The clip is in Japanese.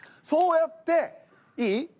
そうやっていい？